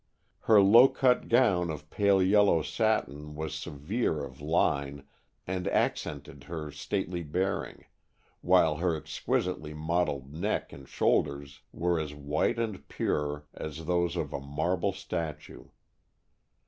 Her low cut gown of pale yellow satin was severe of line and accented her stately bearing, while her exquisitely modelled neck and shoulders were as white and pure as those of a marble statue.